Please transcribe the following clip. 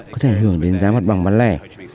có thể hưởng đến giá mặt bằng bán lẻ